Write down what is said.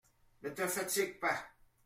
Ne te fatigue pas.